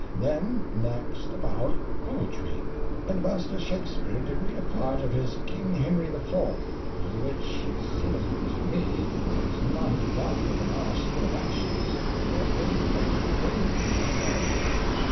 Then next about poetry, and Master Shaxpur did rede a part of his King Henry IV., ye which, it seemeth unto me, is not of ye value of an arsefull of ashes, yet they praised it bravely, one and all.